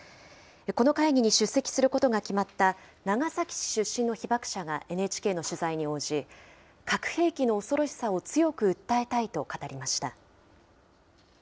この会議に出席することが決まった、長崎市出身の被爆者がＮＨＫの取材に応じ、核兵器の恐ろしさを強く訴えたいと語りました。